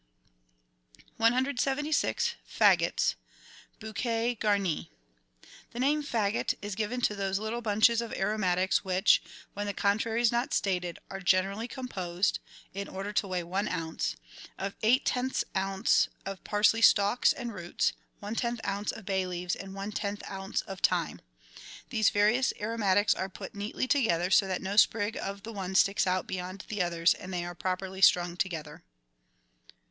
176— FAQQOTS (BOUQUETS QARNIS) The name "faggot" is given to those little bunches of aromatics which, when the contrary is not stated, are generally composed (in order to weigh one ounce) of eight tenths oz. of ELEMENTARY PREPARATIONS 73 parsley stalks and roots, one tenth oz. of bay leaves, and one tenth oz. of thyme. These various aromatics are put neatly together so that no sprig of the one sticks out beyond the others, and they are properly strung together.